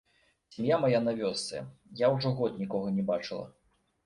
Сям'я мая на вёсцы, я ўжо год нікога не бачыла.